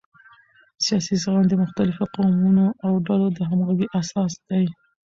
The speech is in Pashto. سیاسي زغم د مختلفو قومونو او ډلو د همغږۍ اساس دی